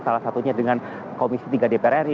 salah satunya dengan komisi tiga dpr ri